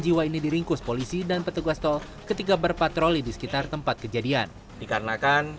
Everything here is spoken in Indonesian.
jiwa ini diringkus polisi dan petugas tol ketika berpatroli di sekitar tempat kejadian dikarenakan